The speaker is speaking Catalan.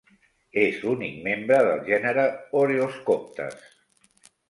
És l'únic membre del gènere "Oreoscoptes".